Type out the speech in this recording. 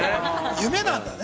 ◆夢なんだね。